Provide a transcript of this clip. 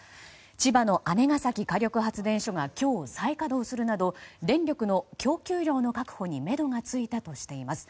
千葉の姉崎火力発電所が今日、再稼働するなど電力の供給量の確保にめどがついたとしています。